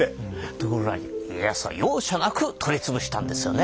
ところが家康は容赦なく取り潰したんですよね。